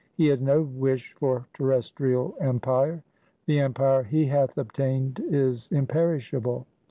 He had no wish for terrestrial empire. The empire he hath obtained is imperishable.